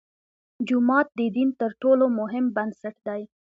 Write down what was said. جومات د دین تر ټولو مهم بنسټ دی.